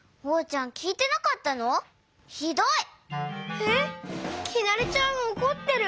えっきなりちゃんおこってる？